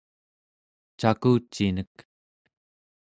cakucinek